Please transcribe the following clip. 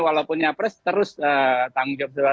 walaupun nyapres terus tanggung jawab